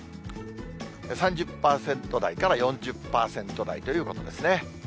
３０％台から４０％台ということですね。